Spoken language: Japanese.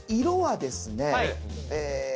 色はですねえ